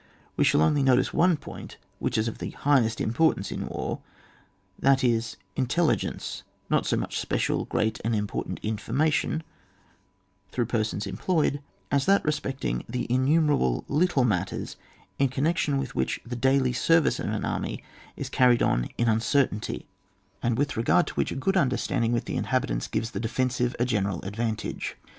We shall only notice one point, which is of the highest importance in war, that is intelli gence, not so much special, great and im portant information through persons em ployed, as that respecting the innumer able little matters in connection with which the daily service of an army is carried on in uncertainty, and with regard CHAP. VI.] EXTENT OF THE MEANS OF DEFENCE. 81 to which a go88 itiderstandiiig with the inhabitants giyes the defensive a general advantage.